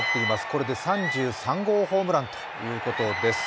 これで３３号ホームランということです。